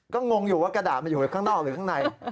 ก็งงอยู่ว่ากระดาษมันอยู่ข้างนอกหรือข้างใน